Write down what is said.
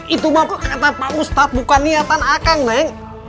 itu mah kok kata pak ustad bukan niatan akang neng